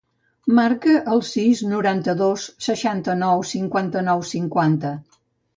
Marca el sis, noranta-dos, seixanta-nou, cinquanta-nou, cinquanta.